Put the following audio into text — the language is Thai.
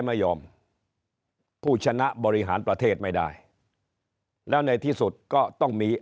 ไม่ยอมผู้ชนะบริหารประเทศไม่ได้แล้วในที่สุดก็ต้องมี